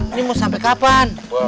ini mau sampai kapan